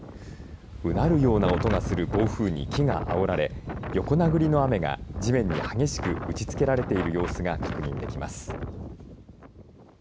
うなるような音がする暴風に木があおられ横殴りの雨が地面に激しく打ちつけられている様子が確認できます。